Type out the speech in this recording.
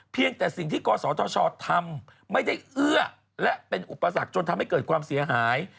แต่สิ่งที่กศธชทำไม่ได้เอื้อและเป็นอุปสรรคจนทำให้เกิดความเสียหาย